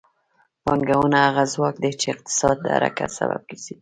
پانګونه هغه ځواک دی چې د اقتصاد د حرکت سبب ګرځي.